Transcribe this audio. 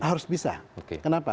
harus bisa kenapa